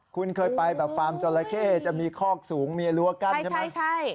คุณเคยไปแบบฟาร์มจราเข้จะมีคอกสูงมีรั้วกั้นใช่ไหม